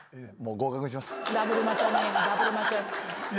合格にします。